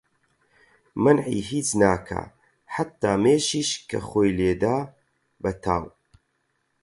مەنعی هیچ ناکا حەتا مێشیش کە خۆی لێدا بە تاو